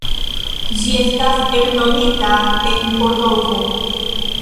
Ĝi estas eldonita en Kordovo.